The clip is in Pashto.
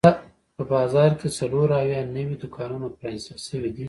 په بازار کې څلور اویا نوي دوکانونه پرانیستل شوي دي.